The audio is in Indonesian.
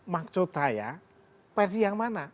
maksud saya versi yang mana